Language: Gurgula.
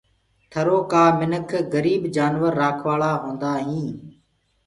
ٿݪو ڪآ منک گريب جآنور رآکوآݪآ هوندآئين